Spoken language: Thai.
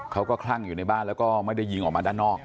คลั่งอยู่ในบ้านแล้วก็ไม่ได้ยิงออกมาด้านนอก